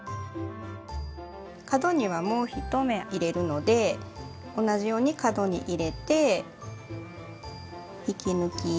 角にはもう１目入れるので同じように角に入れて引き抜き。